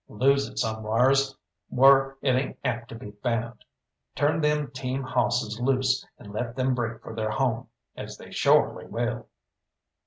"Lose it somewheres whar it ain't apt to be found. Turn them team hawsses loose and let them break for their home, as they shorely will."